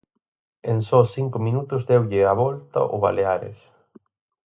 En só cinco minutos deulle a volta o Baleares.